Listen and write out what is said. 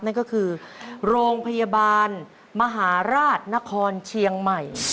นั่นก็คือโรงพยาบาลมหาราชนครเชียงใหม่